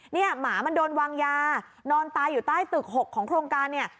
หมามันโดนวางยานอนตายอยู่ใต้ตึก๖ของโครงการเนี่ย